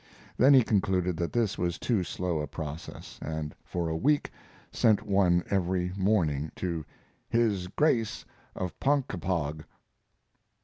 Then he concluded that this was too slow a process, and for a week sent one every morning to "His Grace of Ponkapog."